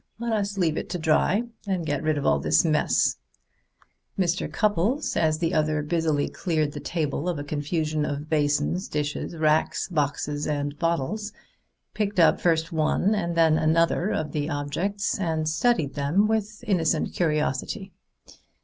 Let us leave it to dry, and get rid of all this mess." Mr. Cupples, as the other busily cleared the table of a confusion of basins, dishes, racks, boxes and bottles, picked up first one and then another of the objects and studied them with innocent curiosity.